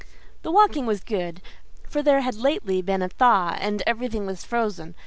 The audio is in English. The walking was good, for there had lately been a thaw and everything was frozen.